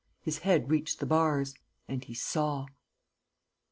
His head reached the bars. And he saw....